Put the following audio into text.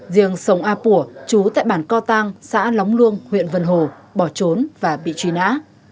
riêng sông a pùa chú tại bản co tăng xã lóng luông huyện vân hồ bỏ trốn và bị truy nã